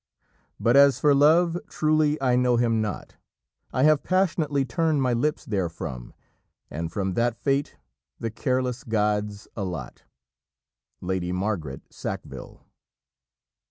"But as for Love, truly I know him not, I have passionately turned my lips therefrom, And from that fate the careless gods allot." Lady Margaret Sackville.